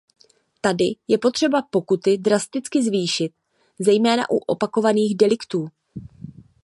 Tady je potřeba pokuty drasticky zvýšit, zejména u opakovaných deliktů.